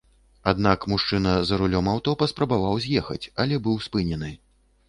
Аднак мужчына за рулём аўто паспрабаваў з'ехаць, але быў спынены.